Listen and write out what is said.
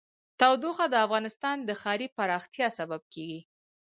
تودوخه د افغانستان د ښاري پراختیا سبب کېږي.